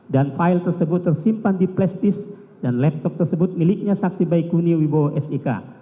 dan file tersebut tersimpan di plastis dan laptop tersebut miliknya saksi baikuni wibowo s i k